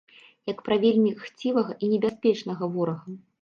Як пра вельмі хцівага і небяспечнага ворага.